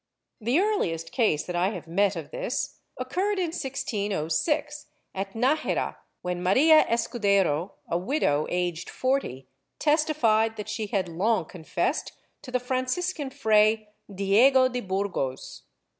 The earliest case that I have met of this occurred in 1606, at Najera, when Maria Escudero, a widow aged 40, testified that she had long confessed to the Franciscan Fray Diego de Burgos.